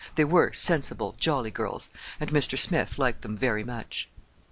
They were sensible, jolly girls, and Mr. Smith liked them very much.